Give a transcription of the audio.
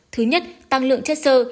thứ nhất tăng lượng chất sơ